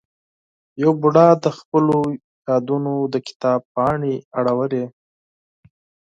یوه بوډا د خپلو یادونو د کتاب پاڼې اړولې.